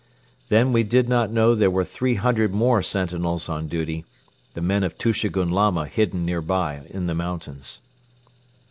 Then we did not know there were three hundred more sentinels on duty, the men of Tushegoun Lama hidden nearby in the mountains.